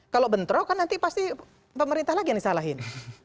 kalau bentrok kan nanti pasti pemerintah lagi yang disalahin